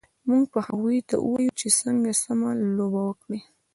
موږ به هغوی ته ووایو چې څنګه سم لوبه وکړي